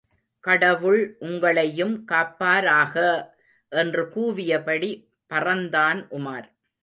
கடவுள் உங்களையும் காப்பாராக! என்று கூவியபடி பறந்தான் உமார்.